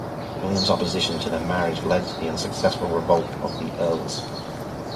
William's opposition to their marriage led to the unsuccessful Revolt of the Earls.